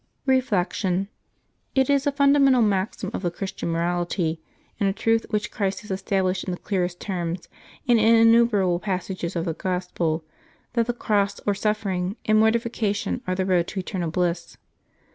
Reflection. — It is a fundamental maxim of the Chris tian morality, and a truth which Christ has established in the clearest terms and in innumerable passages of the Gos pel, that the cross or sufferings and mortification are the road to eternal bliss.